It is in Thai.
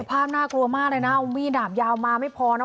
สภาพน่ากลัวมากเลยนะมีหนาบยาวมาไม่พอนะ